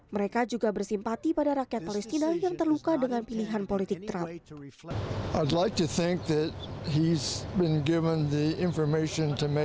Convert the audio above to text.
mereka juga bersimpati pada rakyat palestina yang terluka dengan pilihan politik trump